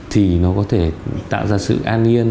thì nó có thể tạo ra sự an yên